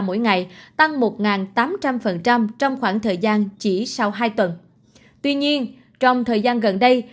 mỗi ngày tăng một tám trăm linh trong khoảng thời gian chỉ sau hai tuần tuy nhiên trong thời gian gần đây